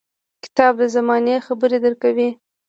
• کتاب د زمانې خبرې درکوي.